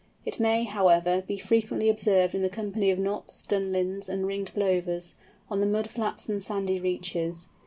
It may, however, be frequently observed in the company of Knots, Dunlins, and Ringed Plovers, on the mud flats and sandy reaches.